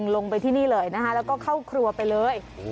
ลงไปที่นี่เลยนะคะแล้วก็เข้าครัวไปเลย